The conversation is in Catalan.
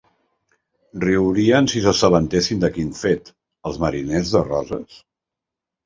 Riurien si s'assabentessin de quin fet, els mariners de Roses?